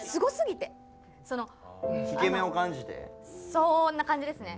そんな感じですね。